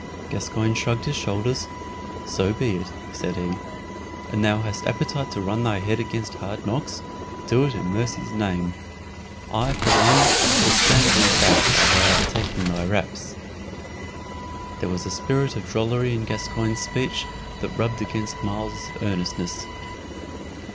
Gascoyne shrugged his shoulders. "So be it," said he. "An thou hast appetite to run thy head against hard knocks, do it i' mercy's name! I for one will stand thee back while thou art taking thy raps." There was a spirit of drollery in Gascoyne's speech that rubbed against Myles's earnestness.